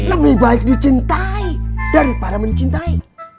lebih baik dicintai daripada mencintai